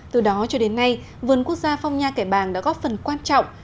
từ đó cho đến nay vườn quốc gia phong nha kẻ bàng đã góp phần quan trọng